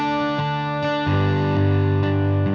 jangan lupa like